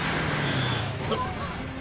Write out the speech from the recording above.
あっ。